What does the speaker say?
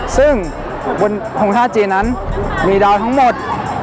ซึ่งบนทรงชาติจีนนั้นมีดาวทั้งหมด